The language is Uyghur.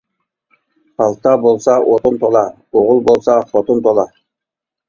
پالتا بولسا ئوتۇن تولا، ئوغۇل بولسا خوتۇن تولا.